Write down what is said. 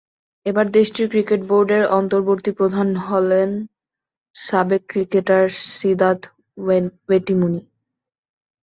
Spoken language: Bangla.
এবার দেশটির ক্রিকেট বোর্ডের অন্তর্বর্তী প্রধান হলেন সাবেক ক্রিকেটার সিদাথ ওয়েটিমুনি।